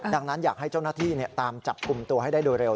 ดังนั้นอยากให้เจ้าหน้าที่ตามจับกลุ่มตัวให้ได้โดยเร็ว